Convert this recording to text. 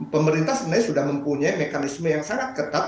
pemerintah sebenarnya sudah mempunyai mekanisme yang sangat ketat